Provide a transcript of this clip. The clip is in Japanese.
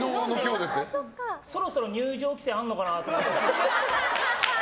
そろそろ入場規制あるのかなって。